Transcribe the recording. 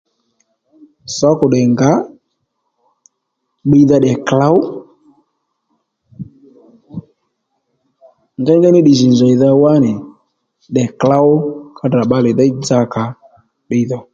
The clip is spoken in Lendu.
Sǒkù tdè ngǎ bbiydha tdè klǒw ngéyngéy ní ddiy jì njèydha wá nì tdè klǒw ka tdra bbalè déy dza kà ó ddiy dho